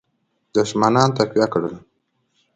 دښمنان تقویه کړل.